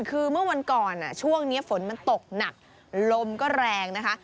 คือเมื่อวันก่อนช่วงนี้ฝนมันตกหนักลมก็แรงนะคะ